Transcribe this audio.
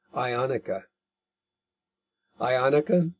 IONICA IONICA.